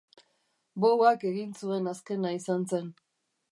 Bouak egin zuen azkena izan zen.